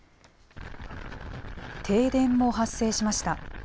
停電も発生しました。